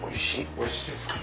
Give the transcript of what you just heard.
おいしいですか。